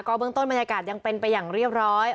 เบื้องต้นบรรยากาศยังเป็นไปอย่างเรียบร้อย